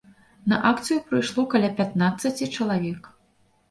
На акцыю прыйшло каля пятнаццаці чалавек.